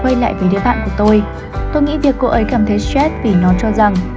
quay lại về đứa bạn của tôi tôi nghĩ việc cô ấy cảm thấy stress vì nó cho rằng